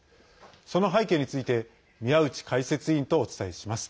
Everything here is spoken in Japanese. その背景について宮内解説委員とお伝えします。